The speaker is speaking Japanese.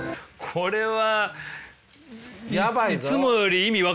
これは。